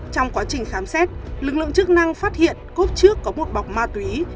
trong quá trình khám xét lực lượng chức năng phát hiện cúp trước có một bọc ma túy